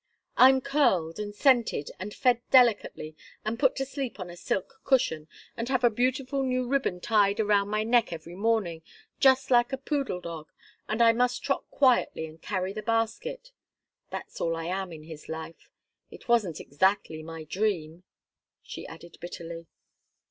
I'm curled, and scented, and fed delicately, and put to sleep on a silk cushion, and have a beautiful new ribbon tied round my neck every morning, just like a poodle dog and I must trot quietly and carry the basket. That's all I am in his life it wasn't exactly my dream," she added bitterly.